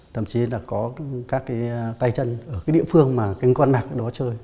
thậm chí là có các tay chân ở cái địa phương mà con bạc đó chơi